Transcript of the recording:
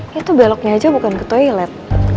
itu beloknya aja bukan ke toilet